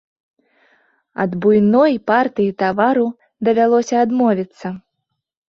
Ад буйной партыі тавару давялося адмовіцца.